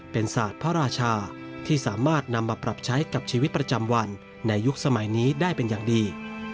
เป็นศาสตร์พระราชาที่สามารถนำมาปรับใช้กับชีวิตประจำวันในยุคสมัยนี้ได้เป็นอย่างดี